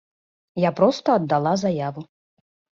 Я проста аддала заяву.